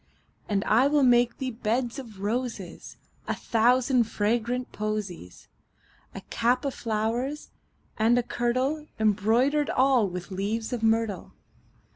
And I will make thee beds of roses And a thousand fragrant posies; 10 A cap of flowers, and a kirtle Embroider'd all with leaves of myrtle.